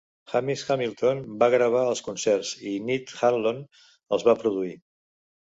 Hamish Hamilton va gravar els concerts i Ned O'Hanlon els va produir.